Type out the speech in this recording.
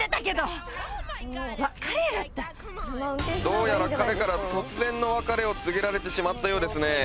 どうやら彼から突然の別れを告げられてしまったようですね